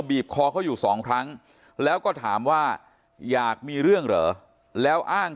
บีบคอเขาอยู่สองครั้งแล้วก็ถามว่าอยากมีเรื่องเหรอแล้วอ้าง